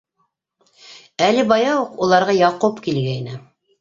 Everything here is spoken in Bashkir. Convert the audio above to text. Әле бая уҡ уларға Яҡуп килгәйне.